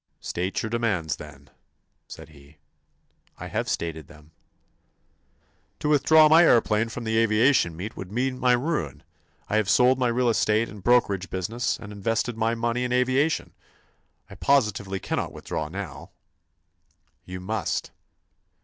"State your demands, then," said he. "I have stated them." "To withdraw my aëroplane from the aviation meet would mean my ruin. I have sold my real estate and brokerage business and invested my money in aviation; I positively cannot withdraw now." "You must.